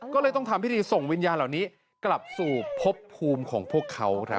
ก็เลยต้องทำพิธีส่งวิญญาณเหล่านี้กลับสู่พบภูมิของพวกเขาครับ